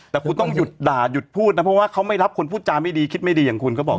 แต่คุณต้องหยุดด่าหยุดพูดนะเพราะว่าเขาไม่รับคนพูดจาไม่ดีคิดไม่ดีอย่างคุณเขาบอก